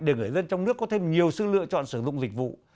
để người dân trong nước có thêm nhiều sự lựa chọn sử dụng dịch vụ